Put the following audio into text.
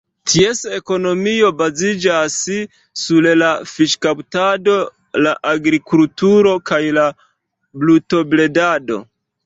Ties ekonomio baziĝas sur la fiŝkaptado, la agrikulturo kaj la brutobredado.